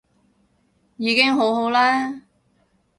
已經好好啦